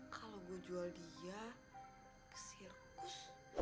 kalau gue jual dia ke sirkus